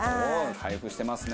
開封してますね。